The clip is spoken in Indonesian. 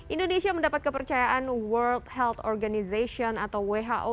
indonesia mendapat kepercayaan world health organization atau who